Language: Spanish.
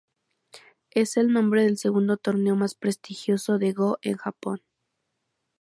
Es el nombre del segundo torneo más prestigioso de go en Japón.